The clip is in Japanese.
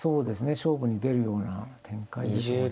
勝負に出るような展開でしょうね。